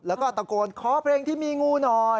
แล้วก็ตะโกนขอเพลงที่มีงูหน่อย